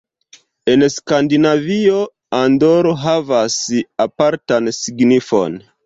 En Skandinavio Andor havas apartan signifon.